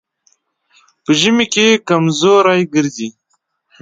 په ژمي کې کمزوری ګرځي.